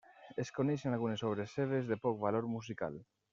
Es coneixen algunes obres seves de poc valor musical.